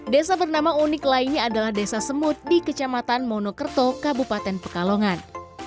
desa bernama unik lainnya adalah desa semut di kecamatan monokerto kabupaten pekalongan